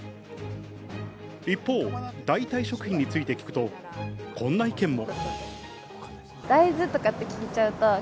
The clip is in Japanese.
一方、代替食品について聞くと、こんな意見も。